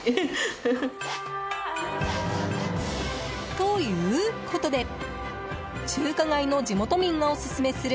ということで中華街の地元民がオススメする